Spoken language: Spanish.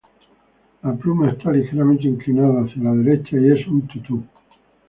La pluma está ligeramente inclinada hacia la derecha y es un tutú.